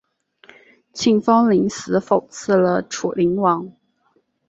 庆封临死讽刺了楚灵王。